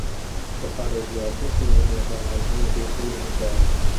وَقَالَ ابْنُ عَبَّاسٍ رَضِيَ اللَّهُ عَنْهُمَا فِي قَوْله تَعَالَى